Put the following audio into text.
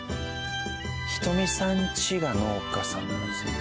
ひとみさんちが農家さんなんですね。